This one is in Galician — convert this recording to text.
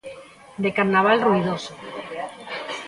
De carnaval ruidoso.